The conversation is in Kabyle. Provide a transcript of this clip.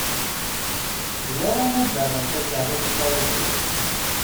D lawan ad d-taɣeḍ takerrus tajdiṭ.